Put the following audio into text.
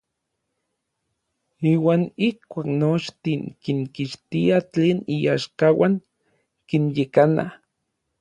Iuan ijkuak nochtin kinkixtia tlen iaxkauan, kinyekana.